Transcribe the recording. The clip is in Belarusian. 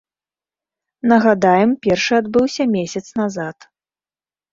Нагадаем, першы адбыўся месяц назад.